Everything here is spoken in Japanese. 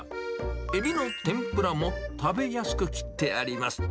えびの天ぷらも、食べやすく切ってあります。